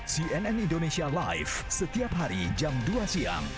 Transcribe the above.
cnn indonesia live setiap hari jam dua siang